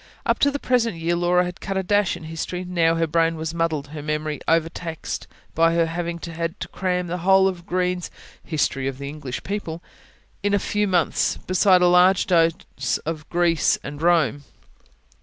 Up to the present year Laura had cut a dash in history; now her brain was muddled, her memory overtaxed, by her having had to cram the whole of Green's HISTORY OF THE ENGLISH PEOPLE in a few months, besides a large dose of GREECE and ROME.